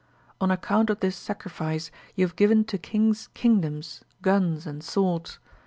On account of this sacrifice, you have given to kings kingdoms, guns, and swords.